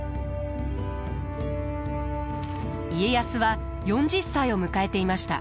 家康は４０歳を迎えていました。